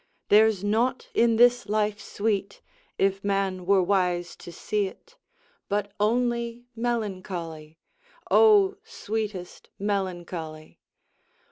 There's naught in this life sweet, If man were wise to see 't, But only melancholy; Oh, sweetest melancholy!